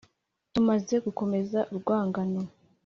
tumaze gukomeza urwangano,